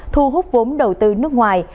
thu hút vốn đầu tư nước ngoài